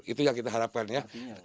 itu yang kita harapkan ya